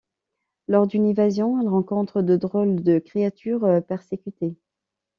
Lors d'une évasion, elle rencontre de drôles de créatures persécutées.